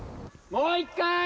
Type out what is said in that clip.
もう一回！